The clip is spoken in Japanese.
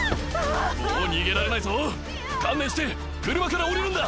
もう逃げられないぞ観念して車から降りるんだ！